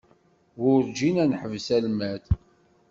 Werǧin ad naḥbes almad.